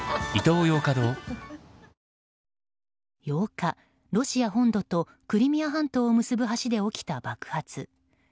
８日、ロシア本土とクリミア半島を結ぶ橋で起きた爆発。